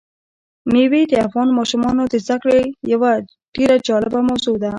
مېوې د افغان ماشومانو د زده کړې یوه ډېره جالبه موضوع ده.